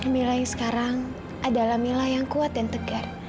mila yang sekarang adalah mila yang kuat dan tegar